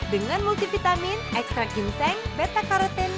dengan multivitamin ekstrak ginseng beta karotin